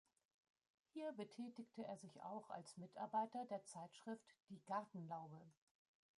Hier betätigte er sich auch als Mitarbeiter der Zeitschrift "Die Gartenlaube".